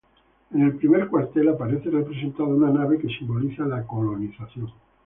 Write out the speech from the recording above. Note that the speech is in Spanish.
En el primer cuartel aparece representada una nave que simboliza la colonización.